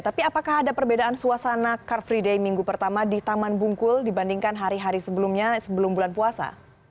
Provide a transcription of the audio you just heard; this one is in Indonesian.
tapi apakah ada perbedaan suasana car free day minggu pertama di taman bungkul dibandingkan hari hari sebelumnya sebelum bulan puasa